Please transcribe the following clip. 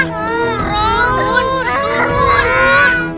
turun turun turun